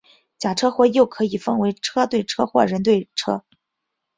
假车祸又可以分为车对车或人对车。